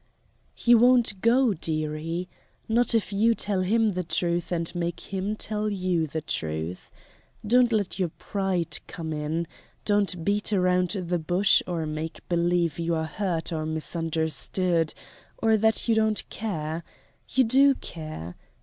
"He won't go, dearie not if you tell him the truth and make him tell you the truth. Don't let your pride come in; don't beat around the bush or make believe you are hurt or misunderstood, or that you don't care. You do care.